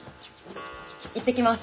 行ってきます。